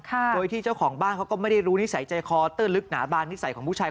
โดยที่เจ้าของบ้านเขาก็ไม่ได้รู้นิสัยใจคอเตื้อลึกหนาบานนิสัยของผู้ชาย